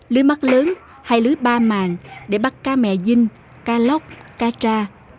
lưới mắt lớn hay lưới ba màng để bắt cá mẹ dinh cá lóc cá tra